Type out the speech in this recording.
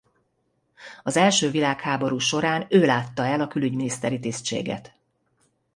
Az első világháború során ő látta el a külügyminiszteri tisztséget.